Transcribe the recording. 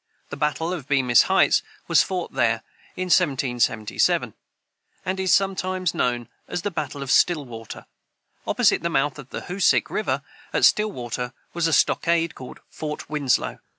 The battle of Bemis's heights was fought near there, in 1777, and is sometimes known as the battle of Stillwater. Opposite the mouth of the Hoosick river, at Stillwater, was a stockade, called Fort Winslow.